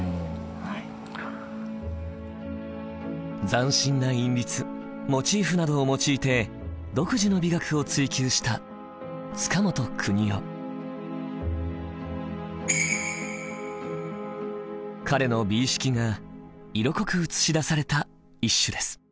斬新な韻律モチーフなどを用いて独自の美学を追求した彼の美意識が色濃く映し出された一首です。